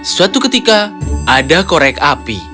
suatu ketika ada korek api